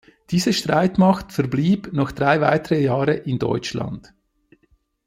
Diese Streitmacht verblieb noch drei weitere Jahre in Deutschland.